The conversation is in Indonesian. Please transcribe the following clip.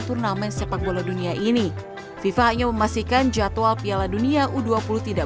turnamen sepak bola dunia ini fifa hanya memastikan jadwal piala dunia u dua puluh tidak